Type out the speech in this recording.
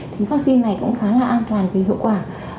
thì vaccine này cũng khá là an toàn và hữu quả